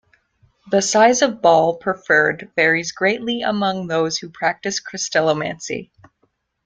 The size of ball preferred varies greatly among those who practice crystallomancy.